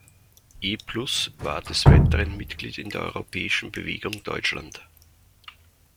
E-Plus war des Weiteren Mitglied in der Europäischen Bewegung Deutschland.